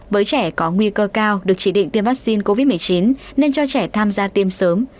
với trẻ có nguy cơ cao được chỉ định tiêm vaccine covid một mươi chín nên cho trẻ tham gia tiêm sớm